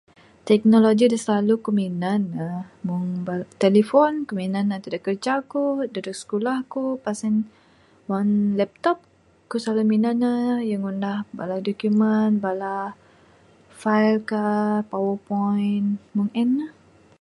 Teknologi da silalu ku minan ne...meng bala...telefon ku minan ne dadeg kerja ku dadeg sikulah ku pas en meng laptop ku silalu minan ne yu ngunah bala dokumen bala file ka PowerPoint...meng en mah.